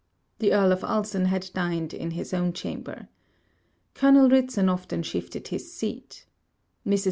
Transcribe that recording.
The Earl of Ulson had dined in his own chamber. Colonel Ridson often shifted his seat. Mrs.